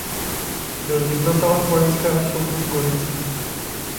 Byl jednatelem vojenského soudu v Gorici.